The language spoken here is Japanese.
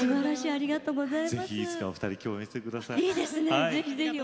ありがとうございます。